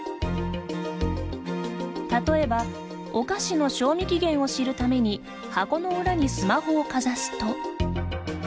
例えば、お菓子の賞味期限を知るために箱の裏にスマホをかざすと。